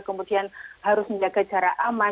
kemudian harus menjaga jarak aman